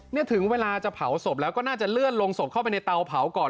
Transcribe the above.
ถึงเวลาจะเผาศพแล้วก็น่าจะเลื่อนลงศพเข้าไปในเตาเผาก่อน